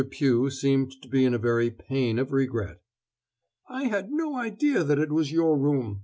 Pugh seemed to be in a very pain of regret. "I had no idea that it was your room!"